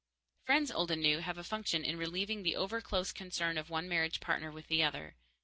Friends, old and new, have a function in relieving the overclose concern of one marriage partner with the other.